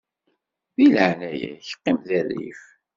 Di leɛnaya-k qqim di rrif.